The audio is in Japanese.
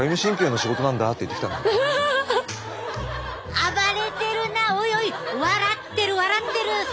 暴れてるなおいおい笑ってる笑ってるそんな笑う？